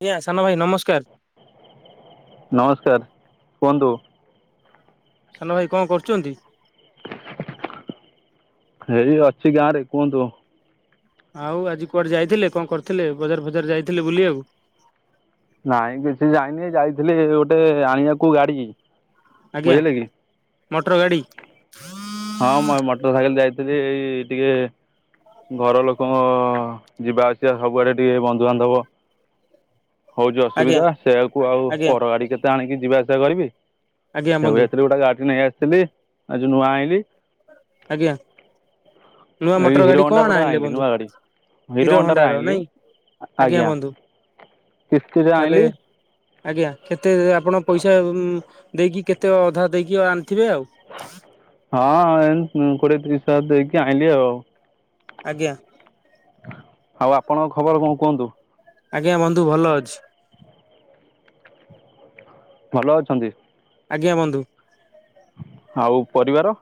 ଆଗିଆଁ ସାନଭାଇ ନମସ୍କାର। ନମସ୍କାର କୁହନ୍ତୁ। ସାନଭାଇ କଣ କରୁଚନ୍ତି? ହେଇ ଅଛି ଗାଁରେ କୁହନ୍ତୁ। ଆଉ ଆଜି କୁଆଡେ ଯାଇଥିଲେ କଣ କରିଥିଲେ ବଜାର ଫଜାର ଯାଇଥିଲେ ବୁଲିବାକୁ? ନାଇଁ କିଛି ଯାଇନି ଏଇ ଯାଇଥିଲି ଗୋଟେ ଆଣିବାକୁ ଗାଡି। ଆଜ୍ଞା ମୋଟର ଗାଡି। ହଁ ମୁଁ ଏ ମଟର ସାଇକେଲ ଯାଇଥିଲି ଏଇ ଟିକେ ଘର ଲୋକଙ୍କ ଯିବା ଆସିବା ସବୁଆଡ଼େ ଟିକେ ବନ୍ଧୁବାନ୍ଧବ ହୋଉଚି ଆଜ୍ଞା ଅସୁବିଧା ସେଇଆକୁ ଆଉ ଆଜ୍ଞା ପର ଗାଡି କେତେ ଆଣିକି ଯିବା ଆସିବା କରିବି। ଆଜ୍ଞା ସେବେ ବନ୍ଧୁ ଯାଇଥିଲି ଗୋଟା ଗାଡି ନେଇ ଆସଥିଲି ଆଜି ନୂଆଁ ଆଇଁଲି। ଆଜ୍ଞା ନୂଆ ଏଇ ମଟର ହିରୋ ଗାଡି ହୋଣ୍ଡାର କଣ ଗୋଟେ ଆଇଁଲେ ଆଣିଲି ବନ୍ଧୁ? ନୂଆ ଗାଡ଼ି ହିରୋ ହୋଣ୍ଡାର ନାଇଁ ଆଜ୍ଞା ବନ୍ଧୁ। କିସ୍ତିରେ ତାହେଲେ ଆଇଁଲି। ଆଜ୍ଞା କେତେ ଆପଣ ପଇସା ଉମ୍ ଦେଇକି କେତେ ଅଧା ଦେଇକି ଆଣିଥିବେ ଆଉ। ହଁ ଏନ୍ ଉଁ କୋଡିଏ ତିରିସଶହ ଦେଇକି ଆଇଁଲି ଆଉ। ଆଗିଆଁ। ଆଉ ଆପଣଙ୍କ ଖବର କଣ କୁହନ୍ତୁ? ଆଜ୍ଞା ବନ୍ଧୁ ଭଲଅଛି। ଭଲଅଛନ୍ତି? ଆଜ୍ଞା ବନ୍ଧୁ। ଆଉ ପରିବାର?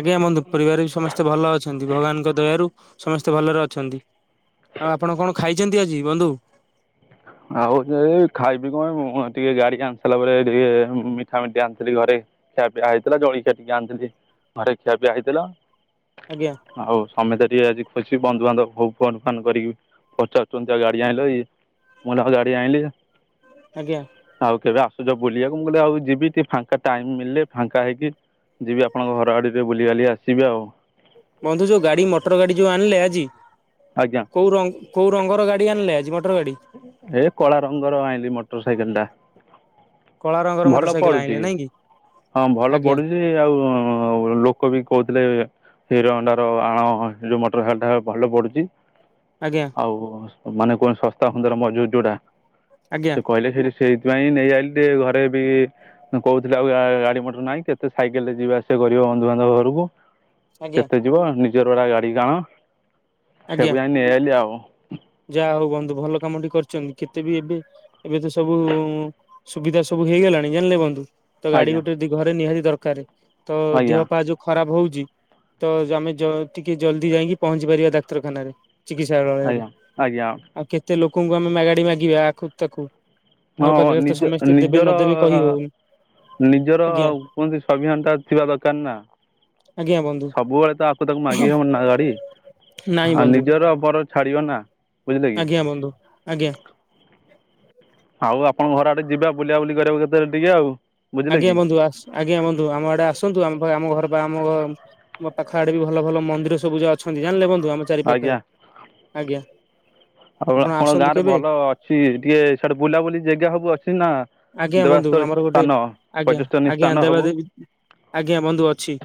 ଆଜ୍ଞା ବନ୍ଧୁ ପରିବାରରେ ବି ସମସ୍ତେ ଭଲଅଛନ୍ତି ଭଗବାନଙ୍କ ଦୟାରୁ। ସମସ୍ତେ ଭଲରେ ଅଛନ୍ତି ଆଉ ଆପଣ କଣ ଖାଇଚନ୍ତି ଆଜି ବନ୍ଧୁ? ଆଉ ଯେ ଏଇ ଖାଇବି କଣ ମୁଁ ଟିକେ ଗାଡି ଆଣି ସାରଲା ପରେ ଟିକେ ମିଠାମିଠି ଆଣିଥିଲି ଘରେ। ଖିଆପିଆ ହେଇଥିଲା ଜଳିଖିଆ ଟିକେ ଆଣିଥିଲି ଘରେ ଖିଆପିଆ ହେଇଥିଲା। ଆଜ୍ଞା। ଆଉ ସମେତେ ଟିକେ ଆଜି ଖୁସି ବନ୍ଧୁବାନ୍ଧବ ହୋଉ ଫୋନ ଫାନ୍ କରିକି ବି ପଚାରୁଚନ୍ତି ଆଉ ଗାଡି ଆଣିଲ ଇ ମୁଁ କହିଲି ହଁ ଗାଡ଼ି ଆଇଁଲି। ଆଜ୍ଞା। ଆଉ କେବେ ଆସୁଚ ବୁଲିବାକୁ ମୁଁ କହିଲି ଆଉ ଯିବି ଟିକେ ଫାଙ୍କା ଟାଇମ ମିଳିଲେ ଫାଙ୍କା ହେଇକି। ଯିବି ଆପଣଙ୍କ ଘର ଆଡ଼େ ଟିକେ ବୁଲିବାଲି ଆସିବେ ଆଉ। ବନ୍ଧୁ ଯୋଉ ଗାଡ଼ି ମଟର ଗାଡ଼ି ଯୋଉ ଆଣଲେ ଆଜି। ଆଜ୍ଞା। କୋଉ ର କୋଉ ରଙ୍ଗର ଗାଡ଼ି ଆଣିଲେ ଆଜି ମଟର ଗାଡ଼ି। ଏ କଳା ରଙ୍ଗର ଆଇଁଲି ମଟର ସାଇକେଲଟା କଳା ରଙ୍ଗର ମୋଟର ଭଲ ସାଇକେଲ ଆଣିଲେ ପଡୁଚି। ନାଇଁ କି ହଁ ଭଲ ଆଜ୍ଞା ପଢୁଚି ଆଉ ଲୋକ ବି କୋହୁଥିଲେ ହିରୋ ହୋଣ୍ଡାର ଆଣ ସେଇ ଯୋଉ ମଟର ସାଇକେଲଟା ଭଲପଡ଼ୁଚି। ଆଜ୍ଞା। ଆଉ ମାନେ କଣ ଶସ୍ତା ସୁନ୍ଦର ମଜବୁତ ଯୋଉଟା ଆଜ୍ଞା ସିଏ କହିଲେ ସେଇଠି ସେଇଥିପାଇଁ ନେଇଆଇଲି ଟିକେ ଘରେ ବି ଉଁ କୋହୁଥିଲେ ଆଉ ଗା ଗାଡିମଟର ନାହିଁ କେତେ ସାଇକେଲରେ ଯିବାଆସିବା କରିବ ବନ୍ଧୁବାନ୍ଧବ ଘରକୁ ଆଜ୍ଞା କେତେ ଯିବ ନିଜର ଗଟା ଗାଡି କାଣ ଆଜ୍ଞା ସେକୁ ଯାଇ ନେଇଗଲି ଆଉ ଯାହା ହଉ ବନ୍ଧୁ ଭଲ କାମ ଟିକ କରିଛନ୍ତି କେତେ ବି ଏବେ ଏବେ ତ ସବୁ ସୁବିଧା ସବୁ ହେଇଗଲାଣି ଜାଣିଲେ ବୁନ୍ଧୁ ତ ଗାଡି ଆଜ୍ଞା ଗୋଟେି ଘରେ ନିହାତି ଦରକାର ତ ଆଜ୍ଞା ଦେହ ପାହା ଯୋ ଖରାପ ହଉଛି ତ ଆମେ ଟିକେ ଜଲଦି ଯାଇକି ପହଞ୍ଚି ପାରିବା ଡାକ୍ତରଖାନାରେ ଚିକିତ୍ସାଳୟରେ ଆଜ୍ଞା ଆଜ୍ଞା ଆଉ କେତେ ଲୋକଙ୍କୁ ଆମେ ମାଗାଡି ମାଗିବା ଆ ତାକୁ ହଁ ଘର ପାଖରେ ତ ନିଜ ସମସ୍ତେ ଦେବେ ନିଜର ନଦେବେ କହି ହଉନି ନିଜର ଆ ଆଜ୍ଞା କୁହନ୍ତି ସଭ୍ୟାନ୍ତା ଥିବା ଦରକାର ନା ଆଜ୍ଞା ବନ୍ଧୁ ସବୁବେଳେ ତ ଆଖକୁ ତାକୁ ମାଗି ହବନି ନା ଗାଡି ନାଇଁ ହ ବନ୍ଧୁ ନିଜର ବର ଛାଡିବ ନା ବୁଝିଲେ କି ଆଜ୍ଞା ବନ୍ଧୁ ଆଜ୍ଞା ଆଉ ଆପଣ ଘର ଆଡେ ଯିବା ବୁଲିବା ବୁଲି କରିବାିବକୁ କେତେ ଟିକେ ଆଉ ବୁଝିଲେ ଆଜ୍ଞା କି ବନ୍ଧୁ ଆଜ୍ଞା ବନ୍ଧୁ ଆମ ଆଡେ ଆସନ୍ତୁ ଆମ ଆମ ଘର ବା ଆମ ମୋ ପାଖ ଆଡେ ବି ଭଲ ଭଲ ମନ୍ଦି ସବୁାଉ ଅଛନ୍ତି ଜାଣିଲେ ବୁମେ ଚାରି ଆଜ୍ଞା ପାଖରେ ଆଜ୍ଞା ଆପଣ ଆସନ୍ତୁ କେବେ ସ ଟିକେ ସେଟେ ବୁଲାବୁଲି ଜାଗା ସବୁ ଅଛି ନା ଆଜ୍ଞା ବନ୍ଧୁ ଦେବାସ୍ଥଳୀ ଆମର ଗୋଟେ ସ୍ଥାନ ଆଜ୍ଞା ପର୍ଯ୍ୟଟନୀ ଆଜ୍ଞା ସ୍ଥାନ ସବୁ ଦେବାଦବୀ ଆଜ୍ଞା ବନ୍ଧୁ ଅଛି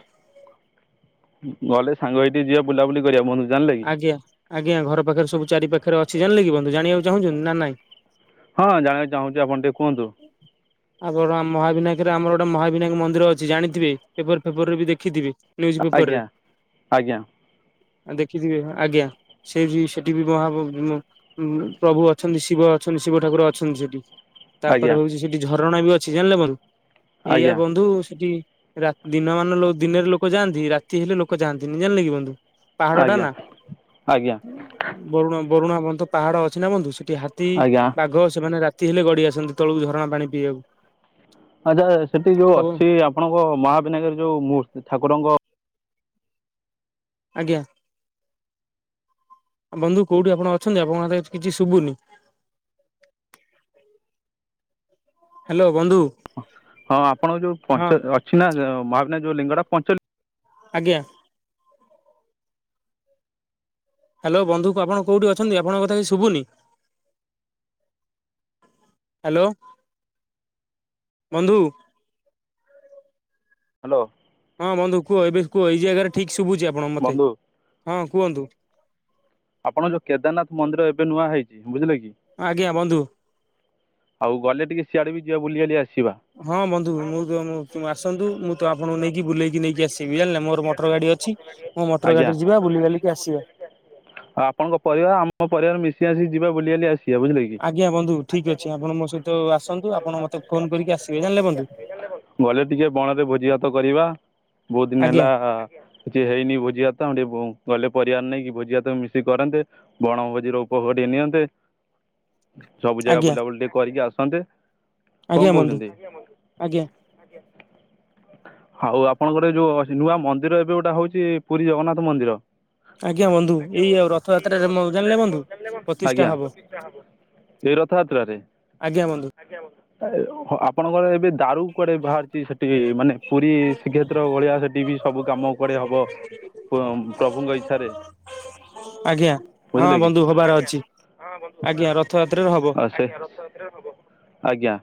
ଗଲେ ସାଙ୍ଗ ଏଇଠି ଯିବା ବୁଲାବୁଲି କରିବା ମନୁ ଆଜ୍ଞା ଆଜ୍ଞା ଘର ପାଖରେ ସବୁ ଚାରି ପାଖରେ ଅଛି ଜାଣିଲେ କି ବନ୍ଧୁ ଜାଣିବାକୁ ଚାହୁଁଛନ୍ତି ନା ନାଇଁ ହଁ ଜଣିବାକୁ ଚାହୁଁଛି ଆପ ଟିକେ କୁହନ୍ତୁ ଆପ ମହାବିନାୟକରେ ଆମର ଗୋଟେ ମହାବିନାୟ ମନ୍ଦିର ଅଛି ଜାଣିଥିବେ ଫେବୃାରୀ ଫେବୃୟାରୀ ବି ଦେଖିଥିବେ ୁଜ ପେପର ରେ ଆଜ୍ଞା ଆଜ୍ଞା ଦେଖିଥିବେ ଆଜ୍ଞା ସେ ବି ସେଠି ବି ମହା ଉ ପ୍ରଭୁ ଅଛନ୍ତି ଶିବ ଅଛନ୍ତି ଶିବ ଠାକୁର ଅଛନ୍ତି ସେଠି ତାପରେ ଆଜ୍ଞା ହଉଛି ସେଠି ଝରଣା ବି ଅଛି ଜାଣିଲେ ବନ୍ଧୁ ଏଇଆା ଆଜ୍ଞା ବନ୍ଧୁ ସେଠି ଦିନ ମାନ ଦିନରେ ଲୋକ ଯାଆନ୍ତି ରାତି ହେଲେ ଲୋକ ଯାଆନ୍ତିନି ଜାଣିଲେ କିୁନ୍ଧୁ ପାହାଡ ଟା ଆଜ୍ଞା ନା ଆଜ୍ଞା ବରୁଣା ବରୁଣା ତ ପାହାଡ ଅଛି ନା ବନ୍ଧୁ ସେଠି ରାତି ଆଜ୍ଞା ବାଘ ସେମାନେ ରାତି ହେଲେ ଗଡି ଆସନ୍ତି ତଳକୁ ଝରଣା ପାଣି ପିଇବାକୁ ଆଚ୍ଛା ସେଠି ତ ଯୋଉ ଅଛି ଆପଣଙ୍କ ମହାବିନାୟରରେ ଯୋଉ ମୂର୍ତ୍ତି ଠାକୁରଙ୍କ ଆଜ୍ଞା ବନ୍ଧୁ କୋଉଠି ଆପଣ ଅଛନ୍ତି ଆପଣଙ୍କ କିଛି ଶୁଭୁନି ହ୍ୟାଲୋ ବନ୍ଧୁ ହଁ ଆପଣଙ୍କ ଯୋଉ ହଁ ପଞ୍ଚ ଅଛି ନା ମହାବିନ ଯୋଉ ଲିଙ୍ଗଟା ପଞ୍ଚ ଆଜ୍ଞା ହ୍ୟାଲୋ ବନ୍ଧୁ ଆପଣ କୋଉଠିଛନ୍ତି ଆପଣଙ୍କ କଥା କି ଶୁଭୁନି ହ୍ୟାଲୋ ବନ୍ଧୁ ହ୍ୟାଲୋ ହଁ ବନ୍ଧୁ କୁହ ଏବେ କୁହ ଏଇ ଜାଗାରେ ଠିକ୍ ଶୁଭୁଛି ଆପଣ ମୋତେ ବନ୍ଧୁ ହଁ କୁହନ୍ତୁ ଆପଣ ଯୋଉ କେଦାରନାଥ ମନ୍ଦିର ଏବେ ନୂଆ ହେଇଛି ବୁଝିଲେ କି ଆଜ୍ଞା ବନ୍ଧୁ ଆଉ ଗଲେ ଟିକେ ସିଆଡ଼େ ବି ଯିବା ବୁଲିିବାାଲି ଆସିବା ହଁ ବନ୍ଧୁ ମୁଁ ତ ଆସନ୍ତୁ ମୁଁ ତ ଆପଣଙ୍କୁ ନେଇକି ବୁଲେଇକି ନେଇକି ଆସିବି ଜାଣିଲ ମୋର ମୋଟର ଗାଡି ଅଛି ହଁ ମଟର ଆଜ୍ଞା ଗାଡିରେ ଯିବା ବୁଲି ବାଲିକି ଆସିବା ଆଉ ଆପଣଙ୍କ ପରିବାର ଆମ ପରିବାର ମିଶି ଆସିି ଯିବାେ ବୁଲିିବାଲି ଆସ ଆଜ୍ଞା ବନ୍ଧୁ ଠିକ ଅଛି ଆପଣ ମୋ ସହିତ ଆସନ୍ତୁ ଆପଣ ମତେ ଫୋନ କରିକି ଆସିବେ ଜାଣିଲେ ବନ୍ଧୁ। ଗଲେ ଟିକେ ବଣରେ ଭୋଜି ଭାତ କରିବା ବହୁତ ଦିନ ଆଜ୍ଞା ହେଲା। କିଛି ହେଇନି ଭୋଜିଆତ ଟିକେ ଗଲେ ପରିବାର ନେଇକି କି ଭୋଜିଆତ। ମିଶି କରନ୍ତେ, ବଣଭୋଜି ର ଉପଭୋଗ ନିଅନ୍ତେ। ସବୁ ଜାଗା ଆଜ୍ଞା ବୁଲାବୁଲି ଟିକେ କରିକି ଆସନ୍ତେ। କଣ ଆଜ୍ଞା ବନ୍ଧୁ, କହୁଛନ୍ତି ଆଜ୍ଞା। ହଉ ଆପଣଙ୍କର ଯୋଉ ନୂଆ ମନ୍ଦିର ଏବେ ଗୋଟେ ହଉଛି, ପୁରୀ ଜଗନ୍ନାଥ ମନ୍ଦିର। ଆଜ୍ଞା ବନ୍ଧୁ ଆଜ୍ଞା ଏଇ ଆଉ ବନ୍ଧୁ, ଏଇ ରଥଯାତ୍ରାରେ ମୋ ରଥଯାତ୍ରା ଜାଣିଲେ ବନ୍ଧୁ ହବ ପ୍ରତିଷ୍ଠା ଆଜ୍ଞା। ହବ ଏଇ ରଥଯାତ୍ରରେ, ଆଜ୍ଞା ବନ୍ଧୁ ଆଜ୍ଞା ବନ୍ଧୁ। ଆପଣଙ୍କର ଏବେ ଦାରୁ କୁଆଡ଼େ ବାହାରିଛି ସେଠି ମାନେ, ପୁରୀ ଶ୍ରୀକ୍ଷେତ୍ର ଭଳିଆ ସେଠି ବି। ସବୁ କାମ କୁଆଡେ ହବ ପ୍ରଭୁଙ୍କ ଇଛାରେ। ଆଜ୍ଞା, ହଁ ବନ୍ଧୁ ହବାର ଅଛି। ହଁ ବନ୍ଧୁ, ଆଜ୍ଞା ହବାର ଅଛି, ରଥଯାତ୍ରାରେ ହବ ଆ ସେ ରଥଯାତ୍ରା ହବ। ଆଜ୍ଞା।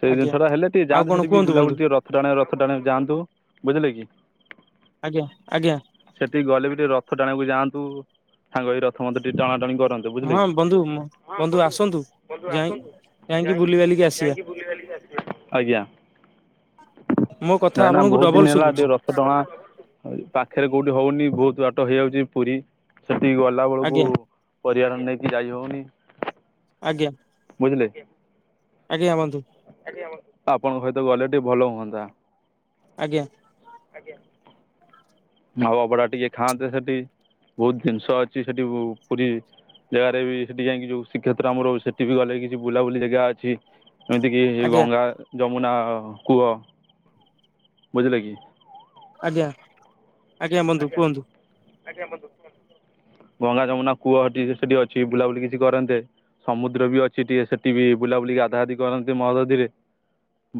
ସେଇ ଆଜ୍ଞା ଜିନିଷ ଟା ହେଲେ ଟିକେ ଆଉ ଯାଆନ୍ତ କଣ ସେଠି କୁହନ୍ତୁ ବନ୍ଧୁ ବୁଲାବୁଲି ଟିକେ ରଥ ଟାଣେ ରଥ ଟାେ ଯାନ୍ତୁଝିଲେ କି? ଆଜ୍ଞା ଆଜ୍ଞା। ସେଠିକି ଗଲେ ବି ଟିକେ ରଥ ଟାଣିବାକୁ ଯାଆନ୍ତୁ, ସାଙ୍ଗ ହେଇ ରଥ ମଧ୍ଯ ଟିକେ ଟାଣା ଟାଣି କରନ୍ତୁ। ବୁଝିଲେ ହଁ କି ବନ୍ଧୁ ବନ୍ଧୁ ଆସନ୍ତୁ ଯାଇ ଯାଇକି ବୁଲିିବାଲିକି ଆସିବା। ଆଜ୍ଞା, ମୋ କଥା କାଇଁନା ଆପଣଙ୍କୁ ବହୁତ ଡବଲ ଦିନ ହେଲା ଶୁଭୁଛି ଟିକେ ରଥ ଟଣା। ଉ ପାଖରେ କୋଉଠି ହଉନି, ବହୁତ ବାଟ ହେଇଯାଉଛି ପୁରୀ ସେଠି ଗଲା ବେଳକୁ। ଆଜ୍ଞା ପରିବାର ନେଇକି ଯାଇହଉନି। ଆଜ୍ଞା। ବୁଝିଲେ କି? ଆଜ୍ଞା ବନ୍ଧୁ। ଆପଣଙ୍କ ସହିତ ଗଲେ ଟିକେ ଭଲ ହୁଅନ୍ତା। ଆଜ୍ଞା। ଆଉ ଅବଡା ଟିକେ ଖାଆନ୍ତେ ସେଠି, ବହୁତ ଜିନିଷ ଅଛି ସେଠି ପୁରୀ। ଜାଗାରେ ବି ସେଠି ଯାଇକି ଯୋଉ ଶ୍ରୀକ୍ଷେତ୍ର ଆମର ସେଠି ଗଲେ କିଛି ବୁଲାବୁଲି ଜାଗା ଅଛି। ଏମିତିକି ଆଜ୍ଞା ଗଙ୍ଗା ଯମୁନା କୂଅ ବୁଝିଲେ କି? ଆଜ୍ଞା ଆଜ୍ଞା ବନ୍ଧୁ କୁହନ୍ତୁ? ଗଙ୍ଗା ଯମୁନା କୂଅ ହଛି ସେଠି ଅଛି, ବୁଲାବୁଲି କିଛି କରନ୍ତେ। ସମୁଦ୍ର ବି ଅଛି ଟିକେ ସେଠି ବି ବୁଲାବୁଲି ଗାଧାଗାଧି କରନ୍ତି ମହୋଦଧିରେ।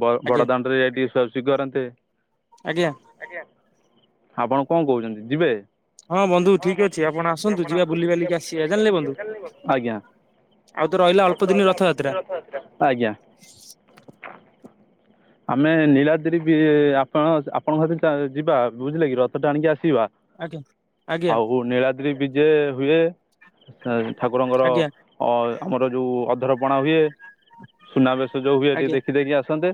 ବ ଆଜ୍ଞା ବଡଦାଣ୍ଡ ରେ ଟିକେ ଶୁଆଶୁଇ କରନ୍ତେ। ଆଜ୍ଞା। ଆଜ୍ଞା, ଆପଣ କଣ କହୁଛନ୍ତି ଯିବେ? ବନ୍ଧୁ ହଁ ଠିକ ବନ୍ଧୁ ଆପଣ ଠିକ ଅଛି, ଆପଣ ଆସନ୍ତୁ ଯିବା ଆସିବା ବୁଲିବାଲିକି ଜାଣିଲେ ବନ୍ଧୁ ଆସିବା, ଆଜ୍ଞା। ଆଉ ତ ରହିଲା ଅଳ୍ପ ଦିନ ରଥଯାତ୍ରା। ଆଜ୍ଞା। ଆମେ ନିଳାଦ୍ରି ବି ଆପଣ ଆପଣଙ୍କ ଯିବା ବୁଝିଲେ କିି? ରଥ। ରଥ ଟାଣିକି ଆସିବା, ଆଜ୍ଞା ଆଜ୍ଞା ଆଉ ନିଳାଦ୍ରି ବିଜେ ହୁଏ। ଠାକୁରଙ୍କର ଆଜ୍ଞା ଅ ଆମର ଯୋଉ ଅଧରପଣା ହୁଏ। ସୁନାବେଶ ଯୋଉ ହୁଏ ଟିକେ ଆଜ୍ଞା ଦେଖିଦେଇକି ଆସନ୍ତେ।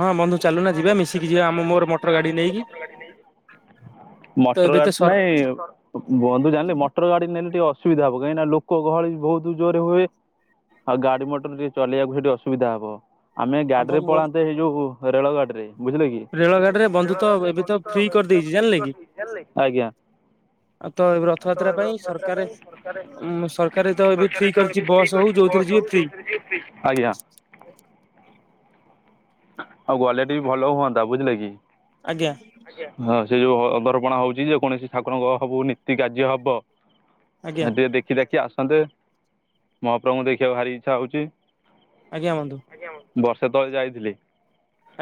ହଁ ବନ୍ଧୁ ଚାଲୁନା ଯିବା ମିଶିକି ଯିବା ଆମ ମୋର ମୋଟର ଗାଡି ନେଇକି। ତ ମଟର ଏବେ ତ ଗାଡି ସର ନାଇଁ ବନ୍ଧୁ ଜାଣିଲି ମ? ମୋଟର ଗାଡି ନେଲେ ଟିକେ ଅସୁବିଧା ହବ, କାହିଁକି ନା ଲୋକ ଗହଳି ବହୁତ ଜୋରେ ହୁଏ। ଆଉ ଗାଡି ମଟର ଟିକେ ଚଲେଇବାକୁ ସେଇଠି ଅସୁବିଧା ହବ। ଆମେ ଆମ ଗାଡିରେ ମୋ ପଳାନ୍ତେ ଏଇ ଯୋଉ ରେଳ ଗାଡି ରେ, ବୁଝିଲେ କି? ରେଳ ଗାଡିରେ, ବନ୍ଧୁ ତ, ଏବେ ତ, ଫ୍ରି କରିଦେଇଛି ଜାଣିଲେ କି? ଆଜ୍ଞା ଆଉ ତ ଏ ରଥଯାତ୍ରା ପାଇଁ ସରକାର ସରକାର ତ ଏବେ ଫ୍ରି। କରିଛି ହଉ ଯୋଉଥିରେ ବସ୍ ଯିବେ ହଉ ଫ୍ରି ଯୋଉଥିରେ ଯିବେ ଫ୍ରୀ, ଆଜ୍ଞା। ଆଉ ଗଲେ ଟିକେ ଭଲ ହୁଅନ୍ତା, ବୁଝିଲେ କି? ଆଜ୍ଞା। ହଁ ସେ ଯୋଉ ଅଧରପଣା ହଉଛି, ଯେ କୌଣସି ଠାକୁରଙ୍କ ହବୁ ନୀତି କାର୍ଯ୍ୟ ହବ। ଆଜ୍ଞା ଟିକେ ଦେଖି ଦେଖି ଆସନ୍ତେ ମହାପ୍ରଭୁଙ୍କୁ ଦେଖିବାକୁ ଭାରି ଇଚ୍ଛା ହଉଛି। ଆଜ୍ଞାନ୍ତୁ। ଆଜ୍ଞା ହଁ ବର୍ଷେ ତଳେ ଯାଇଥିଲି।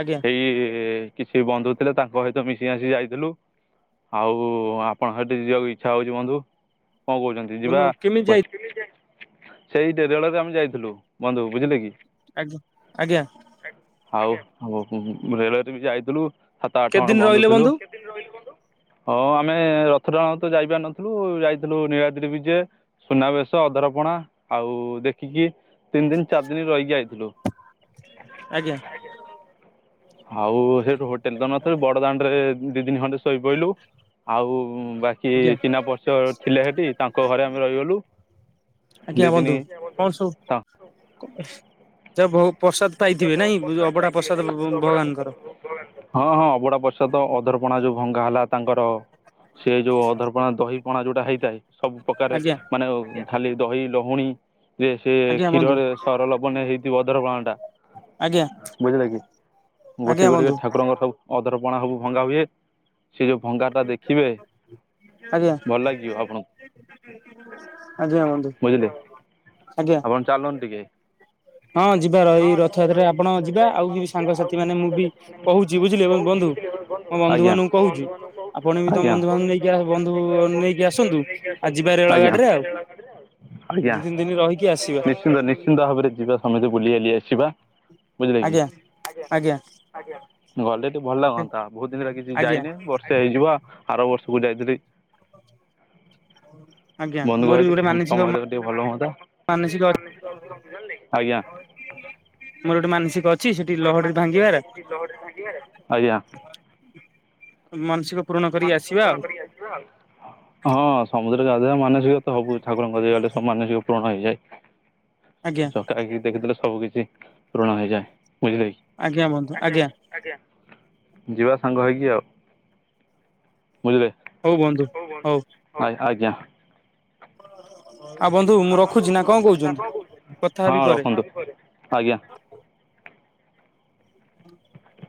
ଆଜ୍ଞା। କିଛି ବନ୍ଧୁ ଥିଲେ ତାଙ୍କ ସହିତ ମିଶି ଆସି ଯାଇଥିଲୁ। ଆଉ ଆପଣ ସେଠି ଯିବାକୁ ଇଚ୍ଛା ହଉଛି ବନ୍ଧୁ କଣ କହୁଛନ୍ତି ଯିବା ବନ୍ଧୁ କେମିତି ଯାଇ ସେଇ ରେଳରେ ଆମେ ଯାଇଥିଲୁ ବନ୍ଧୁ ବୁଝିଲେ କି। ଆଜ୍ଞା ଆଜ୍ଞା। ଆଉ ହଉ ରେଳୱରେ ବି ଯାଇଥିଲୁ ସାତ ଆଠ କେତେ ଦିନ ଜଣ ବନ୍ଦ ରହିଲେ ଥିଲୁ। ବନ୍ଧୁ ହଁ ଆମେ ରଥଡାଣ ତ ଯାଇପାର ନଥିଲୁ ଯାଇଥିଲୁ ନୀଳାଦି ବି ଯିଏ। ସୁନାବେଶ ଅଧରପଣା ଆଉ ଦେଖିକି ତିନି ଦିନ ଚାରି ଦିନ ରହିକି ଆଇଥିଲୁ। ଆଜ୍ଞା। ଆଉ ସେଇଠୁ ହୋଟେଲ ତ ନଥ ବଡ ଦାଣ୍ଡ ରେ ଦି ଦିନ ଖଣ୍ଡେ ଶୋଇପଲୁ ଆଉ ବାକି ଆଜ୍ଞା ଚିନା ପରିଚୟ ଥିଲେ ସେଠି ତାଙ୍କ ଘରେ ଆମେ ରହିଗଲୁ ଆଜ୍ଞା ଦୁଇ ହୁନ୍ତୁ କଣ ଦିନ ସବୁ ଯ ବହୁ ପ୍ରସାଦ ପାଇଇଥିବେ ନାଇଁ ଅବଡ଼ା ପ୍ରସାଦ ଭଭଭ ଭଗବାନଙ୍କର। ହଁ ହଁ ଅବୁଡା ପ୍ରସାଦ ତ ଅଧରପଣା ଯୋଉ ଭଙ୍ଗା ହେଲା ତାଙ୍କର ସେ ଯୋଉ ଅଧରପଣା ଦହି ପଣା ଯୋଉଟା ହେଇଥାଏ ସବୁ ଆଜ୍ଞା ପ୍ରକାରାରେ ମାନେ ଖାଲି ଦହି ଲହୁଣୀ ଯେ ସେ ଆଜ୍ଞା ବନ୍ଧୁ କ୍ଷୀରରେ ସର ଲୋବନ ହେଇଥିବ ଅଧରପଣା ଟା। ଆଜ୍ଞା ବୁଝିଲେ କି ଆଜ୍ଞା ଗୋଟେ ଗୋଟିକ ବନ୍ଧୁ ଠାକୁରଙ୍କର ସବୁ ଅଧରପଣା ସବୁ ଭଙ୍ଗା ହୁଏ ସେ ଯେଉଁ ଭଙ୍ଗାଟା ଦେଖିବେ ଆଜ୍ଞା ଭଲ ଲାଗିବ ଆପଣଙ୍କୁ। ଆଜା ବନ୍ଦୁ। ବୁଝିଲେ। ଆଜ୍ଞା। ଆପଣ ଚାଲନ୍ ଟିକେ। ହଁ ଯିବାର ହଁ ଏଇ ଯିବା ର ରଥଯାତ୍ରାରେ ଆପଣ ରା ଯିବା ସେଟା ଆଉ ବି ଆପଣଙ୍କଟା ସାଙ୍ଗସାଥି ଆଉ ଯ ମାନେ ମୁଁ ବି ସାଙ୍ଗସାଥି ମାନେ ମୁଁ କହୁଛି ବୁଝିଲେ କହୁଛି ବନ୍ଧୁ ବୁଝିଲେ। ମୋ ବନ୍ଧୁ ଆଜ୍ଞା ମାନଙ୍କୁ କହୁଛି ବନ୍ଧୁଙ୍କୁ କହୁଛି କୁ ଆପଣ ବି [unintelligible] ତମ ବନ୍ଧୁବାନ୍ଧୁ ନେଇକି ବନ୍ଧୁ ନେଇକି ଆସନ୍ତୁ ଆଉ ଯିବା ରେଳ ଆଜ୍ଞା ଗାଡିରେ ଆଉ ଦି ତିନି ଦିନ ରହିକି ଆସିବା ଆଜ୍ଞା ନିଶ୍ଚିନ୍ତ ନି୍ଚ। ନିଶ୍ଚିତ ଭାବରେ ଯିବା ସମସ୍ତେ ବୁଲି ବାଲି ଆସିବା। ଆଜ୍ଞା ଆଜ୍ଞା। ଆଜ୍ଞା ଗଲେ ଟି ଭଲ ଲାଗନ୍ତା ବହୁତ ଦିନିଲା କିଛି ଆଜ୍ଞା ଯାଇନି ବର୍ଷେ ହେଇଯିବ ଆ ଆର ବର୍ଷକୁ ଯାଇଥିଲି ଆଜ୍ଞା ବନ୍ଧୁ ମୋର ବି ଭାଇଟି ଗୋଟେ ହୁଁ ମାନସିକ ତମ ଆଗେ ଟିକେ ଭଲ ହୁଅନ୍ତା। ମାନସିକ ଆ ଅଛି ବୁ ଆଜ୍ଞା [unintelligible] ମୋର ଗୋଟେ ମାନସିକ ଅଛି ସେଠି ଲହଢି ଭାଙ୍ଗିବାର। ଲହଢି ଭାଙ୍ଗିବେ? ଆଜ୍ଞା। ମାନସିକ ପୁରଣ ମାନସିକ ପୁରଣ କରି ଆସିବା ଆଉ ହଁ ସମୁଦ୍ର ଗାଧେଇବା ମାନସିକ ହବୁ ଇଛା କଣ ଯିଆଡେ ସମାନ ଜିଓ ପୂରଣ ହେଇଯାଏ। ଆଜ୍ଞା। କାହିକି ଦେଖିଥିଲେ ସବୁ କିଛି ପୁଋଣ ହେଇଯାଏ ବୁଝିଲେ କି ଆଜ୍ଞା ବନ୍ଧୁ ଆଜ୍ଞା। ଆଜ୍ଞା ଯିବା ସାଙ୍ଗ ହେଇକି ଆଉ। ବୁଝିଲେ ହଉ ବନ୍ଧୁ କଣ କୁହନ୍ତୁ ହଉ ଆ ଆଜ୍ଞା। ଆଉ ବନ୍ଧୁ। ମୁଁ ଆପଣଙ୍କୁ ରଖୁଛି ନା ମୁଁ କଣ ରଖୁଛି ନା କହୁଛନ୍ତି କଣ କହୁଛନ୍ତି। କଥା ହେବି ହଁ ପରେ ରଖନ୍ତୁ ହଁ ଆଜ୍ଞା। [unintelligible]